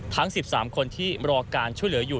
ทั้ง๑๓คนที่รอการช่วยเหลืออยู่